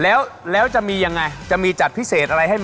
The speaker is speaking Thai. แล้วแล้วจะมียังไงจะมีจัดพิเศษอะไรให้ไหม